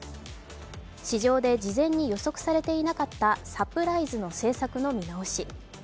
市場で事前に予測されていなかったサプライズの政策の見直し。